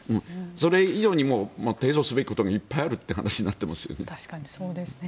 それ以上に提訴すべきことがいっぱいあるということになっていますよね。